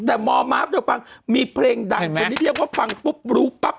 แต่มมมีเพลงดังฉันนี้เรียกว่าฟังปุ๊บรูปั๊บ